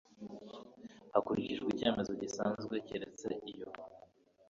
hakurikijwe icyemezo gisanzwe keretse iyo